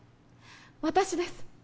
私です